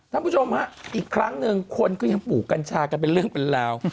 ท่านผู้ชมฮะอีกครั้งหนึ่งคนก็ยังปลูกกัญชากันเป็นเรื่องเป็นราว